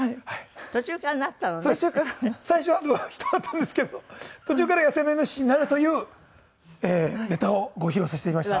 最初は人だったんですけど途中から野生のイノシシになるというネタをご披露させて頂きました。